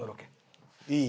いい？